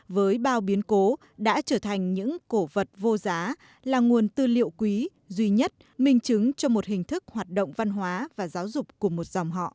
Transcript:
với bao biến cố đã trở thành những cổ vật vô giá là nguồn tư liệu quý duy nhất minh chứng cho một hình thức hoạt động văn hóa và giáo dục của một dòng họ